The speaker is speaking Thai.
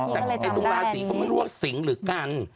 เขาพูดว่าลาศรีก็ไม่รู้ว่าสิงห์หรือกัน